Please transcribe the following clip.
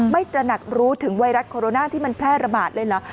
ตระหนักรู้ถึงไวรัสโคโรนาที่มันแพร่ระบาดเลยเหรอ